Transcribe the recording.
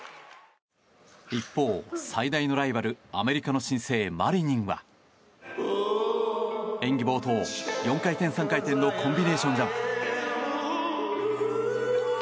一方、最大のライバルアメリカの新星、マリニンは演技冒頭、４回転、３回転のコンビネーションジャンプ。